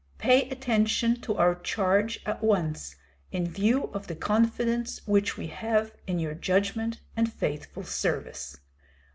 Pay attention to our charge at once, in view of the confidence which we have in your judgment and faithful service.